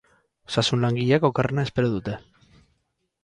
Osasun-langileek okerrena espero dute.